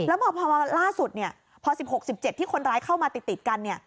แล้วพอพอล่าสุดเนี้ยพอสิบหกสิบเจ็ดที่คนร้ายเข้ามาติดติดกันเนี้ย